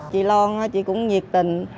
chị long chị cũng nhiệt tình